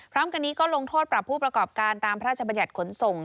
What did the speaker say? พร้อมกันนี้ก็ลงโทษปรับผู้ประกอบการตามพระราชบัญญัติขนส่ง